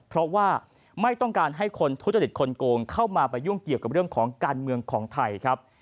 เพราะว่าไม่ต้องการให้คนทุจริตคนโกงเข้ามาไปยุ่งเกี่ยวกับเรื่องของการเมืองของไทยครับ